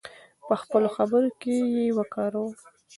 په خپلو خبرو کې یې وکاروو.